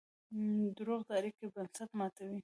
دروغ د اړیکو بنسټ ماتوي.